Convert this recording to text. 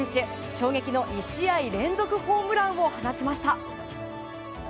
衝撃の２試合連続ホームランを放ちました。